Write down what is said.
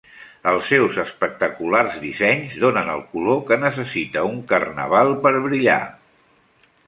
Els seus espectaculars dissenys donen el color que necessita un Carnaval per brillar.